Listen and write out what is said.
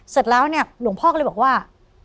เสร็จแล้วเนี่ยหลวงพ่อก็เลยบอกว่า